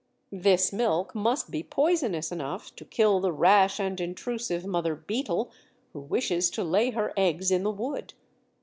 This milk must be poisonous enough to kill the rash and intrusive mother beetle, who wishes to lay her eggs in the wood.